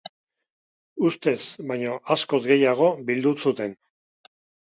Uste baino askoz gehiago bildu zuten.